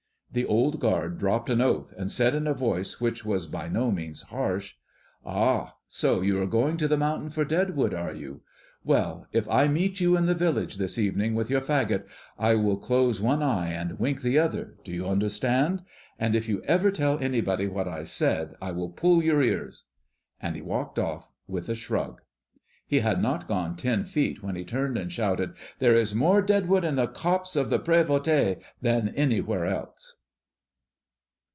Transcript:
The old guard dropped an oath and said in a voice which was by no means harsh, "Ah, so you are going to the mountain for dead wood, are you? Well, if I meet you in the village this evening with your fagot, I will close one eye and wink the other, do you understand? And if you ever tell anybody what I said, I will pull your ears." And he walked off with a shrug. He had not gone ten feet when he turned and shouted, "There is more dead wood in the copse of the Prévoté than anywhere else."